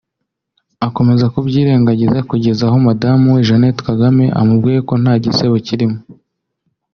akomeza kubyirengagiza kugeza aho madamu we Jeanette Kagame amubwiriye ko nta gisebo kirimo